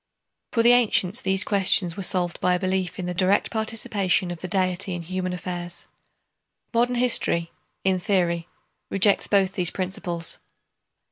For the ancients these questions were solved by a belief in the direct participation of the Deity in human affairs. Modern history, in theory, rejects both these principles.